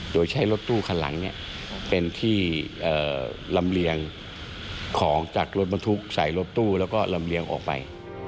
โดยใช้รถตู้คันหลังเป็นที่ลำเลียงของจากรถบรรทุกใส่รถตู้แล้วก็ลำเลียงออกไป